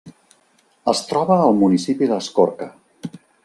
Es troba al municipi d'Escorca.